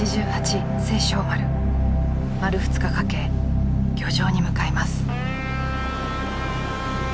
丸２日かけ漁場に向かいます。